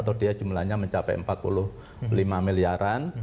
atau dia jumlahnya mencapai empat puluh lima miliaran